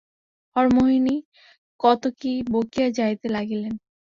হরিমোহিনী কত কী বকিয়া যাইতে লাগিলেন।